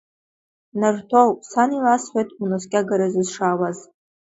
Нарҭоу, сан иласҳәеит унаскьагаразы сшаауаз.